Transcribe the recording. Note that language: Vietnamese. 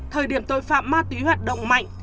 thời điểm tội phạm ma túy hoạt động mạnh